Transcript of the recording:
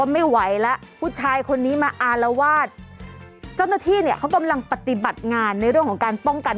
ไม่ไหวแล้วผู้ชายคนนี้มาอารวาสเจ้าหน้าที่เนี่ยเขากำลังปฏิบัติงานในเรื่องของการป้องกัน